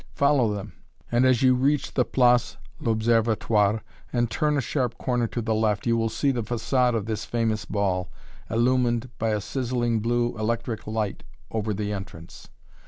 Follow them, and as you reach the place l'Observatoire, and turn a sharp corner to the left, you will see the façade of this famous ball, illumined by a sizzling blue electric light over the entrance.